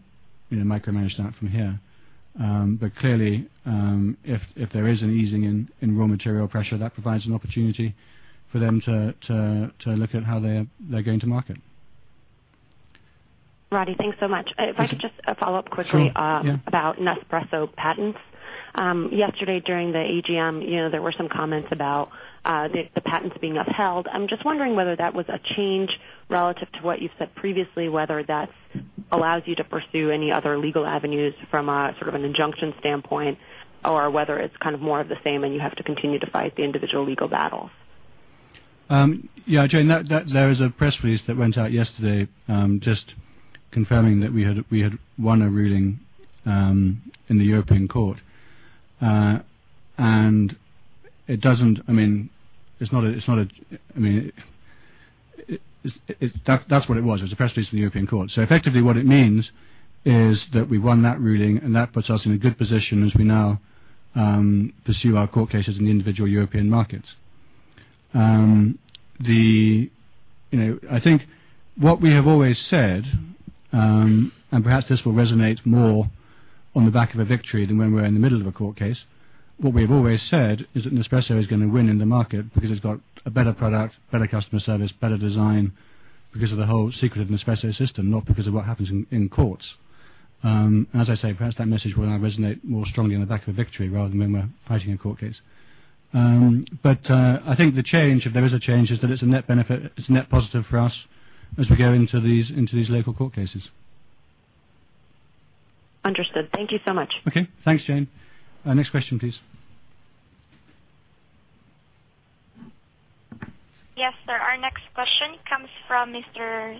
to micromanage that from here. Clearly, if there is an easing in raw material pressure, that provides an opportunity for them to look at how they're going to market. Roddy, thanks so much. If I could just follow up quickly about Nespresso patents. Yesterday, during the AGM, there were some comments about the patents being upheld. I'm just wondering whether that was a change relative to what you've said previously, whether that allows you to pursue any other legal avenues from a sort of an injunction standpoint, or whether it's kind of more of the same and you have to continue to fight the individual legal battle. Yeah, Jane, there is a press release that went out yesterday just confirming that we had won a ruling in the European Court. It doesn't, I mean, it's not a, I mean, that's what it was. It was a press release in the European Court. Effectively, what it means is that we won that ruling and that puts us in a good position as we now pursue our court cases in the individual European markets. I think what we have always said, and perhaps this will resonate more on the back of a victory than when we're in the middle of a court case, what we have always said is that Nespresso is going to win in the market because it's got a better product, better customer service, better design because of the whole secretive Nespresso system, not because of what happens in courts. Perhaps that message will now resonate more strongly on the back of a victory rather than when we're fighting a court case. I think the change, if there is a change, is that it's a net benefit. It's a net positive for us as we go into these local court cases. Understood. Thank you so much. Okay. Thanks, Jane. Next question, please. Yes, sir. Our next question comes from Mr.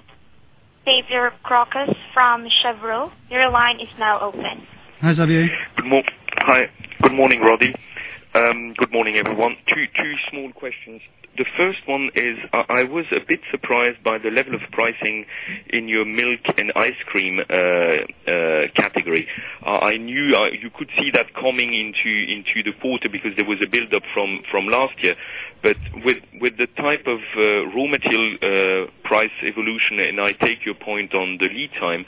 Xavier Croquez from Cheuvreux. Your line is now open. Hi, Xavier. Good morning, Roddy. Good morning, everyone. Two small questions. The first one is, I was a bit surprised by the level of pricing in your milk and ice cream category. I knew you could see that coming into the quarter because there was a build-up from last year. With the type of raw material price evolution, and I take your point on the lead time,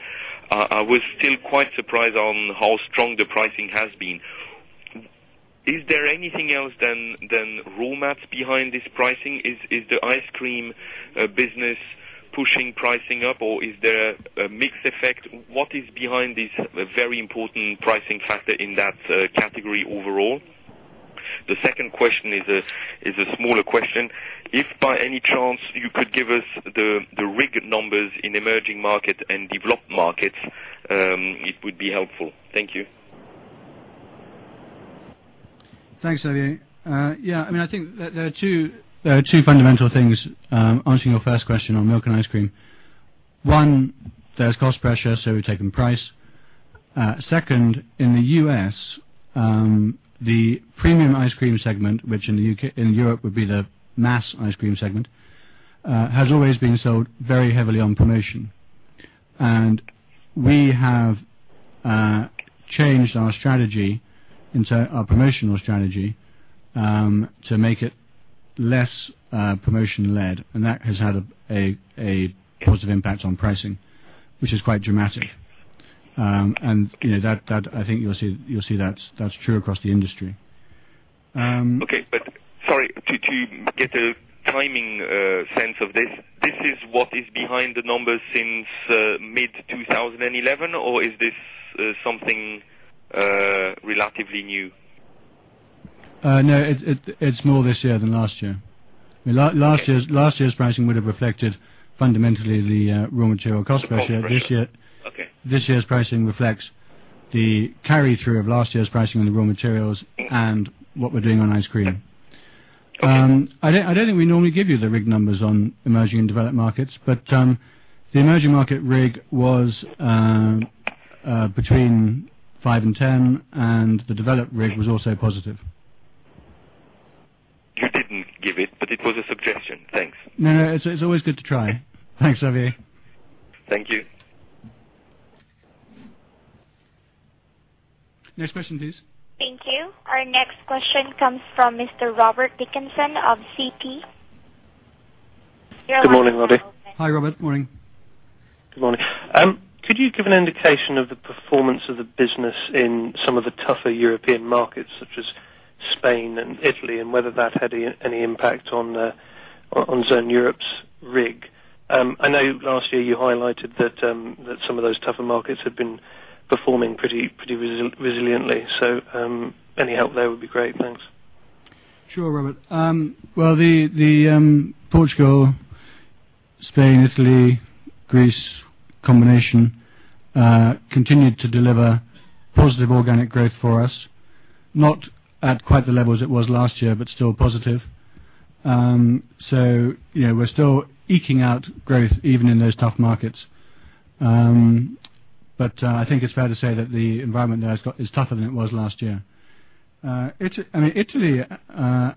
I was still quite surprised on how strong the pricing has been. Is there anything else than raw mats behind this pricing? Is the ice cream business pushing pricing up, or is there a mix effect? What is behind this very important pricing factor in that category overall? The second question is a smaller question. If by any chance you could give us the RIG numbers in emerging markets and developed markets, it would be helpful. Thank you. Thanks, Xavier. I think there are two fundamental things answering your first question on milk and ice cream. One, there's cost pressure, so we take in price. Second, in the U.S., the premium ice cream segment, which in Europe would be the mass ice cream segment, has always been sold very heavily on promotion. We have changed our strategy into our promotional strategy to make it less promotion-led. That has had a positive impact on pricing, which is quite dramatic. I think you'll see that's true across the industry. Okay. Sorry, to get a timing sense of this, is this what is behind the numbers since mid-2011, or is this something relatively new? No, it's more this year than last year. Last year's pricing would have reflected fundamentally the raw material cost pressure. This year's pricing reflects the carry-through of last year's pricing on the raw materials and what we're doing on ice cream. I don't think we normally give you the RIG numbers on emerging and developed markets, but the emerging market RIG was between 5% and 10%, and the developed RIG was also positive. You didn't give it, but it was a suggestion. Thanks. No, it's always good to try. Thanks, Xavier. Thank you. Next question, please. Thank you. Our next question comes from Mr. Robert Dickinson of Citigroup. Good morning, Roddy. Hi, Robert. Morning. Good morning. Could you give an indication of the performance of the business in some of the tougher European markets, such as Spain and Italy, and whether that had any impact on Zone Europe's RIG? I know last year you highlighted that some of those tougher markets had been performing pretty resiliently. Any help there would be great. Thanks. Sure, Robert. Portugal, Spain, Italy, Greece, combination continued to deliver positive organic growth for us, not at quite the levels it was last year, but still positive. We're still eking out growth even in those tough markets. I think it's fair to say that the environment there is tougher than it was last year. Italy,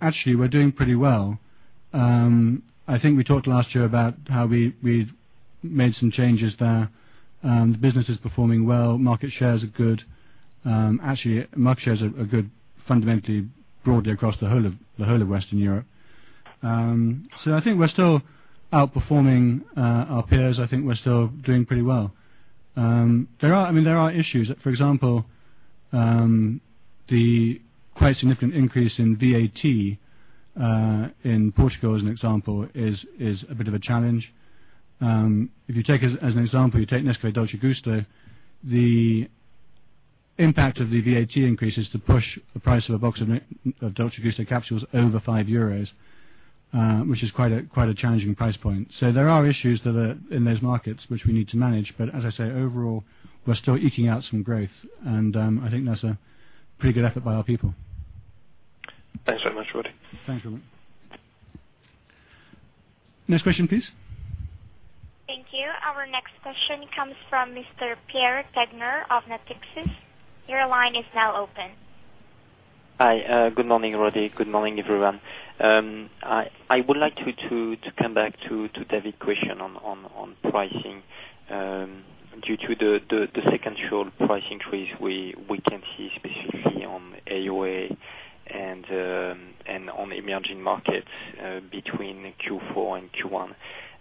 actually, we're doing pretty well. I think we talked last year about how we made some changes there. The business is performing well. Market shares are good. Market shares are good fundamentally broadly across the whole of Western Europe. I think we're still outperforming our peers. I think we're still doing pretty well. There are issues. For example, the quite significant increase in VAT in Portugal, as an example, is a bit of a challenge. If you take, as an example, you take Nescafé Dolce Gusto, the impact of the VAT increase is to push the price of a box of Dolce Gusto capsules over 5 euros, which is quite a challenging price point. There are issues that are in those markets, which we need to manage. Overall, we're still eking out some growth. I think that's a pretty good effort by our people. Thanks very much, Roddy. Thanks, Robert. Next question, please. Thank you. Our next question comes from Mr. Pierre Tegner of Natixis. Your line is now open. Hi. Good morning, Roddy. Good morning, everyone. I would like to come back to David's question on pricing. Due to the stick and chill price increase we can see, specifically on AOA and on emerging markets between Q4 and Q1,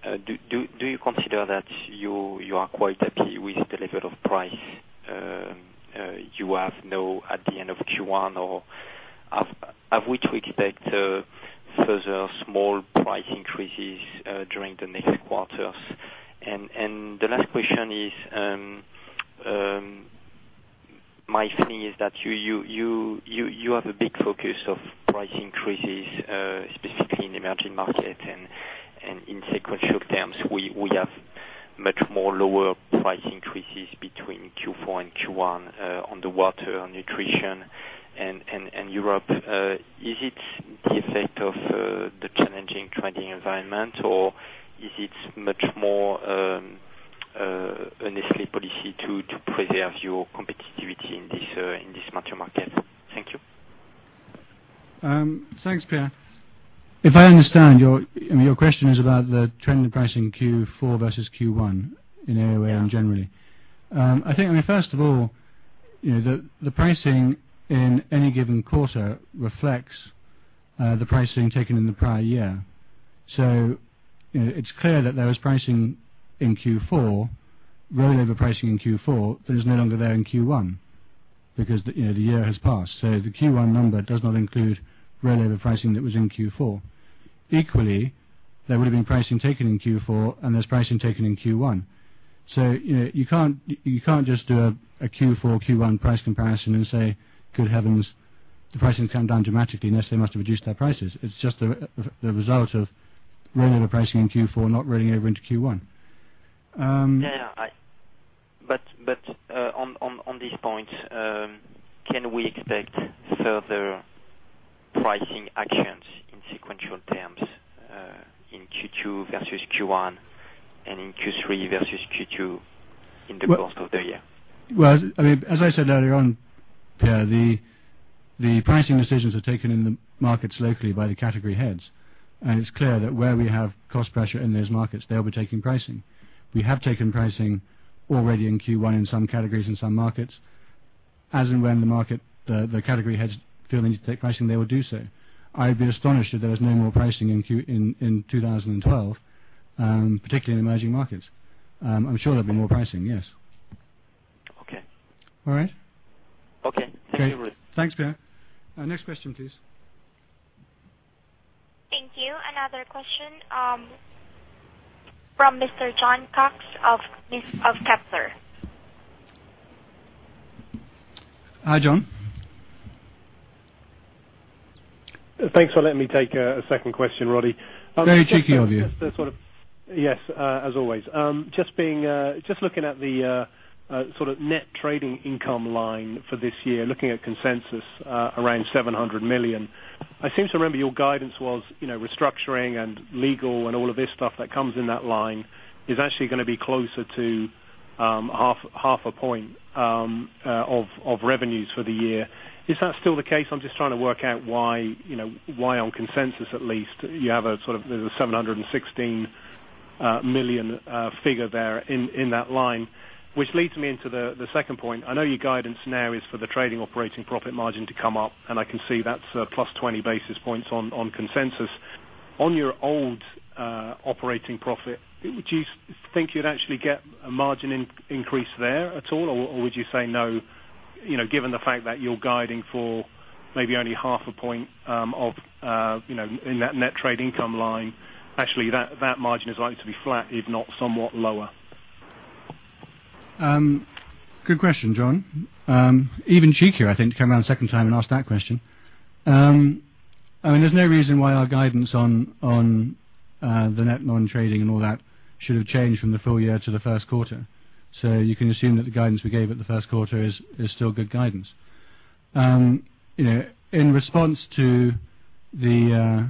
do you consider that you are quite happy with the level of price you have at the end of Q1, or are we to expect further small price increases during the next quarters? The last question is, my feeling is that you have a big focus of price increases, specifically in the emerging markets. In sequential terms, we have much more lower price increases between Q4 and Q1 on the water, nutrition, and Europe. Is it the effect of the challenging trading environment, or is it much more a Nestlé policy to preserve your competitivity in this market? Thank you. Thanks, Pierre. If I understand your question, it's about the trend in pricing Q4 versus Q1 in AOA and generally. First of all, you know the pricing in any given quarter reflects the pricing taken in the prior year. It's clear that there was pricing in Q4, raw labor pricing in Q4 that is no longer there in Q1 because the year has passed. The Q1 number does not include raw labor pricing that was in Q4. Equally, there would have been pricing taken in Q4, and there's pricing taken in Q1. You can't just do a Q4-Q1 price comparison and say, "Good heavens, the pricing's come down dramatically. Nestlé must have reduced their prices." It's just the result of raw labor pricing in Q4 not rolling over into Q1. Yeah. On these points, can we expect further pricing actions in sequential terms in Q2 versus Q1 and in Q3 versus Q2 in the course of the year? As I said earlier on, the pricing decisions are taken in the markets locally by the category heads. It's clear that where we have cost pressure in those markets, they'll be taking pricing. We have taken pricing already in Q1 in some categories and some markets. As and when the market, the category heads feel they need to take pricing, they will do so. I would be astonished if there was no more pricing in 2012, particularly in emerging markets. I'm sure there'll be more pricing, yes. Okay. All right? Okay. Okay, thanks, Pierre. Next question, please. Thank you. Another question from Mr. Jon Cox of Kepler. Hi, Jon. Thanks for letting me take a second question, Roddy. Very cheeky of you. Yes, as always. Just looking at the sort of net trading income line for this year, looking at consensus around 700 million, I seem to remember your guidance was restructuring and legal and all of this stuff that comes in that line is actually going to be closer to half a point of revenues for the year. Is that still the case? I'm just trying to work out why, on consensus at least, you have a sort of there's a 716 million figure there in that line, which leads me into the second point. I know your guidance now is for the trading operating profit margin to come up, and I can see that's plus 20 basis points on consensus. On your old operating profit, would you think you'd actually get a margin increase there at all, or would you say no, given the fact that you're guiding for maybe only half a point of in that net trade income line, actually, that margin is likely to be flat, if not somewhat lower? Good question, Jon. Even cheekier, I think, to come around a second time and ask that question. I mean, there's no reason why our guidance on the net non-trading and all that should have changed from the full year to the first quarter. You can assume that the guidance we gave at the first quarter is still good guidance. In response to the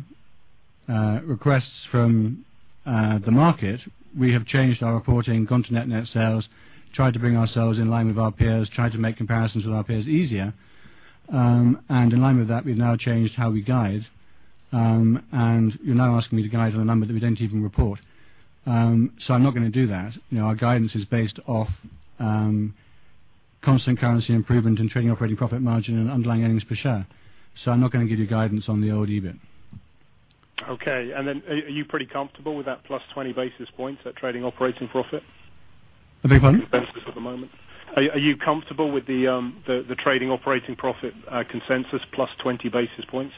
requests from the market, we have changed our reporting, gone to net net sales, tried to bring ourselves in line with our peers, tried to make comparisons with our peers easier. In line with that, we've now changed how we guide. You're now asking me to guide on a number that we don't even report. I'm not going to do that. Our guidance is based off constant currency improvement and trading operating profit margin and underlying earnings per share. I'm not going to give you guidance on the old EBIT. Okay. Are you pretty comfortable with that plus 20 basis points at trading operating profit? A big one. Consensus at the moment. Are you comfortable with the trading operating profit consensus plus 20 basis points?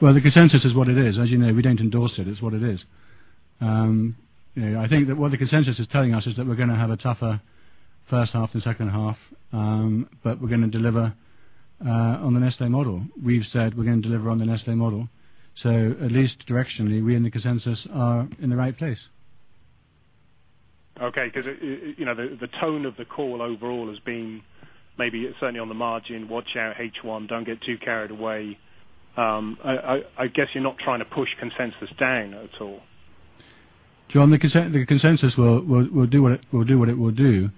The consensus is what it is. As you know, we don't endorse it. It's what it is. I think that what the consensus is telling us is that we're going to have a tougher first half than second half, but we're going to deliver on the Nestlé model. We've said we're going to deliver on the Nestlé model. At least directionally, we and the consensus are in the right place. Okay, because the tone of the call overall has been maybe it's only on the margin, watch out H1, don't get too carried away. I guess you're not trying to push consensus down at all. John, the consensus will do what it will do.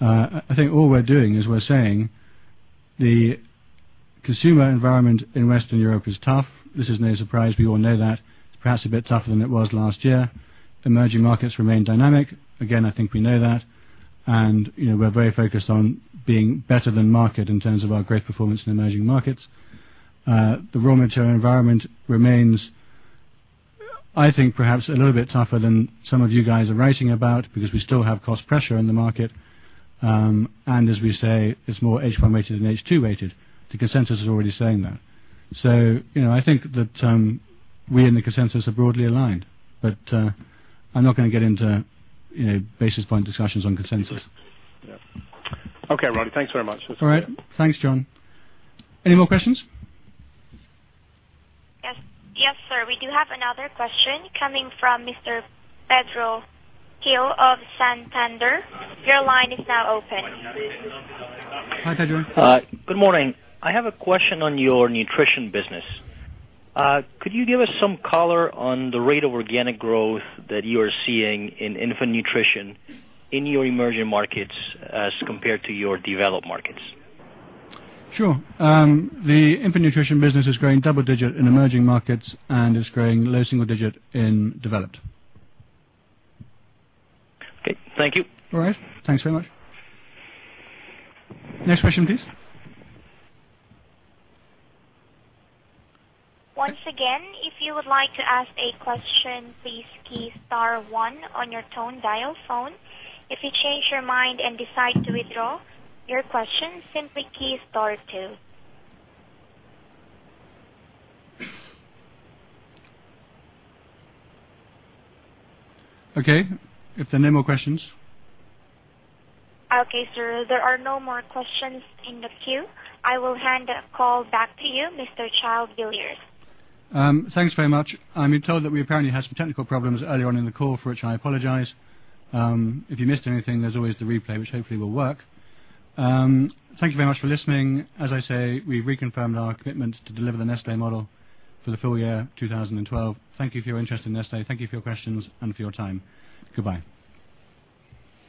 I think all we're doing is we're saying the consumer environment in Western Europe is tough. This is no surprise. We all know that. It's perhaps a bit tougher than it was last year. Emerging markets remain dynamic. Again, I think we know that. We're very focused on being better than market in terms of our great performance in emerging markets. The raw material environment remains, I think, perhaps a little bit tougher than some of you guys are writing about because we still have cost pressure in the market. As we say, it's more H1 rated than H2 rated. The consensus is already saying that. I think that we and the consensus are broadly aligned. I'm not going to get into basis point discussions on consensus. Yeah. Okay, Roddy. Thanks very much. All right. Thanks, Jon. Any more questions? Yes, sir. We do have another question coming from Mr. Pedro Gil of Santander. Your line is now open. Hi, Pedro. Hi. Good morning. I have a question on your nutrition business. Could you give us some color on the rate of organic growth that you are seeing in infant nutrition in your emerging markets as compared to your developed markets? Sure. The infant nutrition business is growing double digit in emerging markets and is growing low single digit in developed. Okay, thank you. All right. Thanks very much. Next question, please. Once again, if you would like to ask a question, please key star one on your tone dial phone. If you change your mind and decide to withdraw your question, simply key star two. Okay, if there are no more questions. Okay, sir. There are no more questions in the queue. I will hand the call back to you, Mr. Child-Villiers. Thanks very much. I'm told that we apparently had some technical problems earlier on in the call, for which I apologize. If you missed anything, there's always the replay, which hopefully will work. Thank you very much for listening. As I say, we reconfirmed our commitment to deliver the Nestlé model for the full year, 2012. Thank you for your interest in Nestlé. Thank you for your questions and for your time. Goodbye.